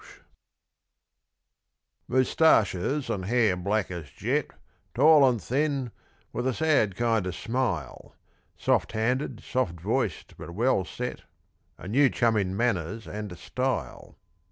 _ Moostarchers and hair black as jet, Tall and thin, with a sad kind of smile; Soft handed, soft voiced, but well set A New Chum in manners and style.